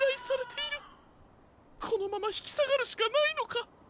このままひきさがるしかないのか？